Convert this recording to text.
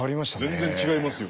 全然違いますよ。